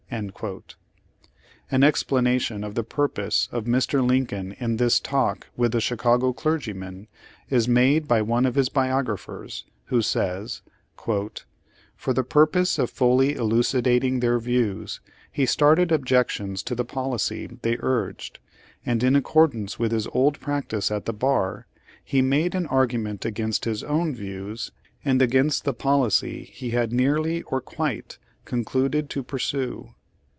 * An explanation of the purpose of Mr. Lincoln in this talk with the Chicago clergyman, is made by one of his biographers, who says : "For the purpose of fully elucidating their views, he started objections to the policy they urged, and in accord ance with his old practice at the bar, he made an argument ^ TLe same, p. 252. * The same. Page Eighty three against his own views, and against the policy he had nearly or quite concluded to pursue."